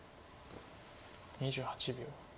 ２８秒。